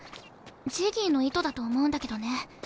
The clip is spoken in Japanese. ジギーの意図だと思うんだけどね。